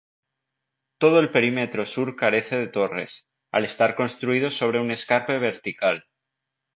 Todo el perímetro sur carece de torres, al estar construido sobre un escarpe vertical.